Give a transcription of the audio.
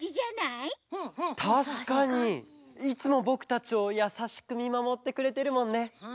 いつもぼくたちをやさしくみまもってくれてるもんね。